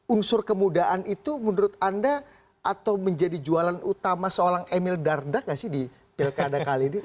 unsur kemudahan itu menurut anda atau menjadi jualan utama seorang emil dardak gak sih di pilkada kali ini